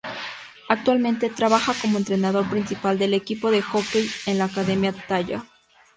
Actualmente trabaja como entrenador principal del equipo de hockey de la Academia Thayer.